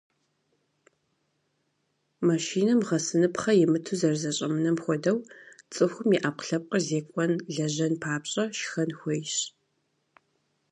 Машинэм гъэсыныпхъэ имыту зэрызэщӏэмынэм хуэдэу, цӏыхум и ӏэпкълъэпкъыр зекӏуэн, лэжьэн папщӏэ, шхэн хуейщ.